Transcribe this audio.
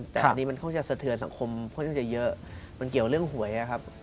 แต่อันนี้มันก็จะเสนอสังคมพวกนี้ก็จะเยอะมันเกี่ยวกับเรื่องหวยครับ